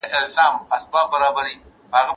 نوښت د نړۍ د بدلون لاره ده.